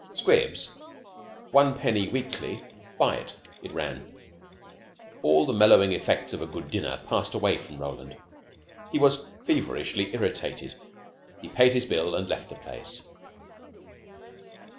"'Squibs,' one penny weekly, buy it," it ran. All the mellowing effects of a good dinner passed away from Roland. He was feverishly irritated. He paid his bill and left the place.